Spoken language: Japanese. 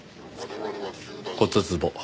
骨壺。